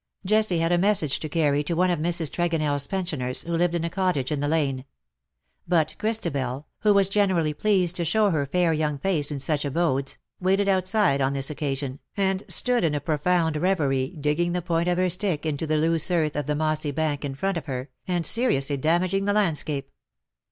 Jessie had a message to carry to one of Mrs. TregonelFs pen sioners, W'ho lived in a cottage in the lane ; but Christabel, who was generally pleased to show her fair young face in such abodes, waited outside on this occasion, and stood in a profound reverie, dig ging the point of her stick into the loose earth of the mossy bank in front of her, and seriously damaging the landscape.